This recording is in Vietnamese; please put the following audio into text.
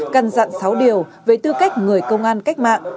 căn dặn sáu điều về tư cách người công an cách mạng